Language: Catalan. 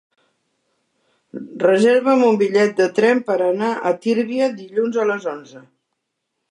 Reserva'm un bitllet de tren per anar a Tírvia dilluns a les onze.